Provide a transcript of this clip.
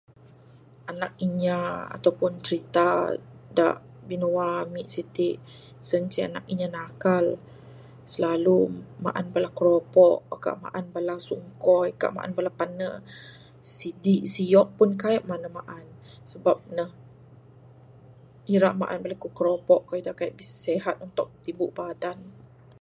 Anak inya atau pun crita binua ami siti sien ceh anak inya nakal silalu maan bala kropok agak maan bala sungkoi agak maan bala pane sidi diok pun kaik mah bala ne maan sebab ne ira maan bala ku kropok da kaik sihat untuk tibu badan.